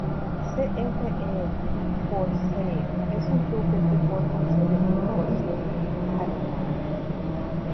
CfR Pforzheim es un club de fútbol con sede en Pforzheim, Alemania.